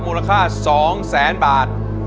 มูลค่า๒แสนบาท